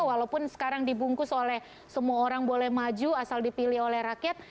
walaupun sekarang dibungkus oleh semua orang boleh maju asal dipilih oleh rakyat